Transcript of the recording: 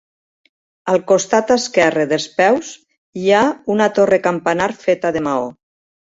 Al costat esquerre dels peus hi ha una torre campanar feta de maó.